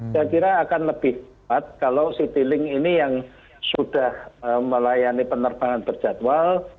saya kira akan lebih cepat kalau citilink ini yang sudah melayani penerbangan berjadwal